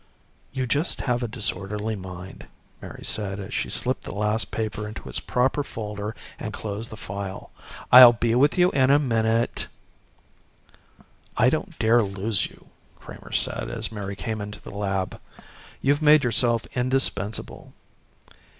"You just have a disorderly mind," Mary said, as she slipped the last paper into its proper folder and closed the file. "I'll be with you in a minute." "I don't dare lose you," Kramer said as Mary came into the lab. "You've made yourself indispensable.